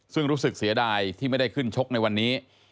ซึ่งรู้สึกเสียดายที่ไม่ได้ขึ้นชกในวันนี้